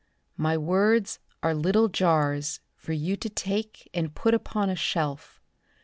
My words are little jars For you to take and put upon a shelf.